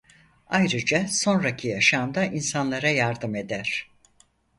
Ayrıca sonraki yaşamda insanlara yardım eder.